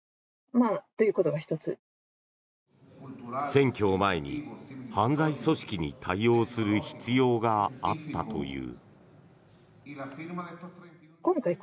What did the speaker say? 選挙を前に、犯罪組織に対応する必要があったという。